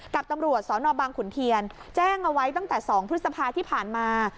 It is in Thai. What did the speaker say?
กับตำรวจสนบางขุนเทียนแจ้งเอาไว้ตั้งแต่๒พฤษภาที่ผ่านมา